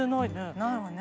ないわね。